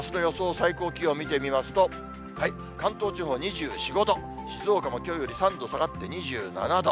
最高気温見てみますと、関東地方２４、５度、静岡もきょうより３度下がって２７度。